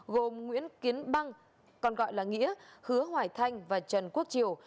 gồm nguyễn kiến băng còn gọi là nghĩa hứa hoài thanh và trần quốc triều